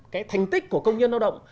cái thành tích của công nhân lao động